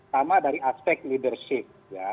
sama dari aspek leadership